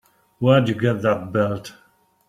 Where'd you get that belt?